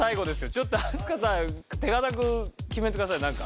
ちょっと飛鳥さん手堅く決めてくださいなんか。